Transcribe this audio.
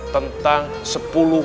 tentang sepuluh buah